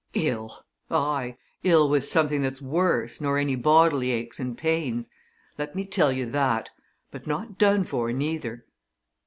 Ill! aye, ill with something that's worse nor any bodily aches and pains let me tell you that! But not done for, neither!"